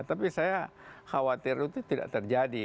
tapi saya khawatir itu tidak terjadi